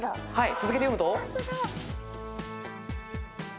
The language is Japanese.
続けて読むと？